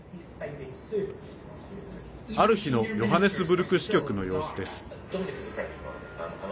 ある日のヨハネスブルク支局の様子です。